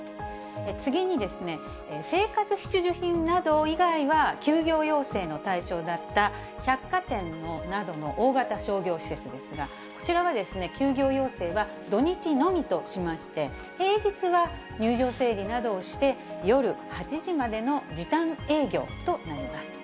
次に、生活必需品など以外は休業要請の対象だった、百貨店などの大型商業施設ですが、こちらは、休業要請は土日のみとしまして、平日は入場整理などをして、夜８時までの時短営業となります。